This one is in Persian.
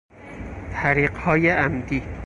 حریقهای عمدی